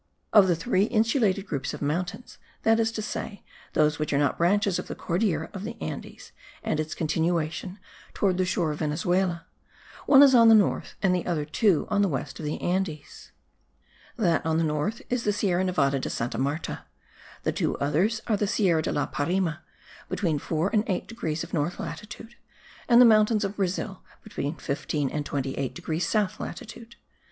Of the three insulated groups of mountains, that is to say, those which are not branches of the Cordillera of the Andes and its continuation towards the shore of Venezuela, one is on the north, and the other two on the west of the Andes: that on the north is the Sierra Nevada de Santa Marta; the two others are the Sierra de la Parime, between 4 and 8 degrees of north latitude, and the mountains of Brazil, between 15 and 28 degrees south latitude.